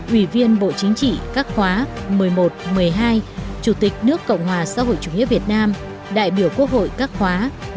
ủy viên bộ chính trị các khóa một mươi một một mươi hai chủ tịch nước cộng hòa xã hội chủ nghĩa việt nam đại biểu quốc hội các khóa một mươi ba một mươi bốn